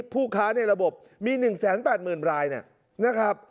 ผู้ค้าในระบบมี๑๘๐๐๐รายนะครับ